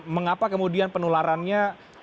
mengapa kemudian penularannya